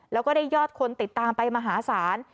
แล้วก็ได้ยอดคนติดตามไปมหาศาล